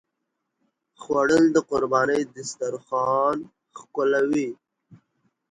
خوړل د قربانۍ دسترخوان ښکلوي